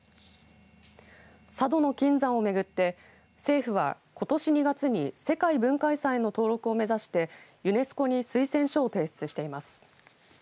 佐渡島の金山を巡って政府は、ことし２月に世界文化遺産への登録を目指してユネスコに推薦書を提出しています。